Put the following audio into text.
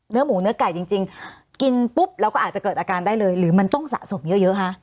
หมูเนื้อไก่จริงกินปุ๊บแล้วก็อาจจะเกิดอาการได้เลยหรือมันต้องสะสมเยอะคะ